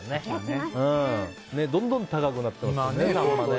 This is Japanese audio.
どんどん高くなってますよね。